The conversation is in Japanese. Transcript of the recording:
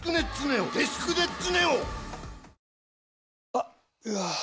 あっ、うわー。